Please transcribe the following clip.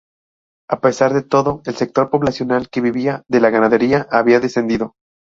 A pesar de todo, el sector poblacional que vivía de la ganadería había descendido.